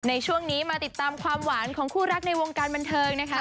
ในช่วงนี้มาติดตามความหวานของคู่รักในวงการบันเทิงนะคะ